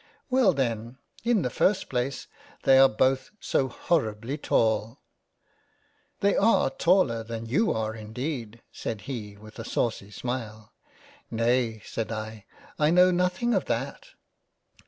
• Well, then, in the first place ; they are both so horribly tall !"" They are taller than you are indeed." (said he with a saucy smile.) " Nay, (said I), I know nothing of that."